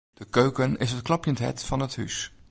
De keuken is it klopjend hert fan it hús.